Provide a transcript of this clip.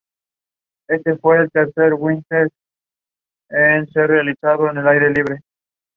Her stories were published in "Utkal Sahitya" magazine as well.